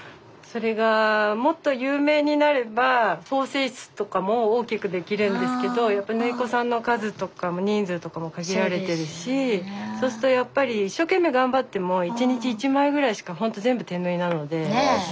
それがもっと有名になれば縫製室とかも大きくできるんですけどやっぱ縫い子さんの数とかも人数とかも限られてるしそうするとやっぱり一生懸命頑張ってもスタジオあそうか。